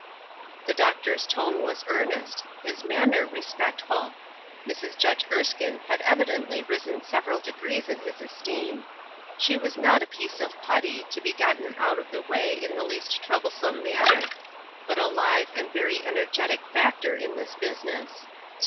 The doctor's tone was earnest — his manner respectful. Mrs. Judge Erskine had evidently risen several degrees in his esteem. She waa not a piece of putty, to be gotten out of the way in the least troublesome manner ; but a live and very energetic factor in this business.